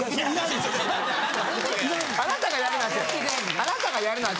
あなたがやるのは。